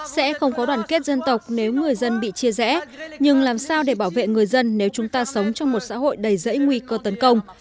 sẽ không có đoàn kết dân tộc nếu người dân bị chia rẽ nhưng làm sao để bảo vệ người dân nếu chúng ta sống trong một xã hội đầy rẫy nguy cơ tấn công